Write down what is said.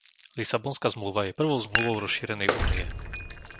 Lisabonská zmluva je prvou zmluvou rozšírenej Únie.